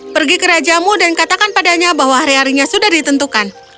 pergi ke rajamu dan katakan padanya bahwa hari harinya sudah ditentukan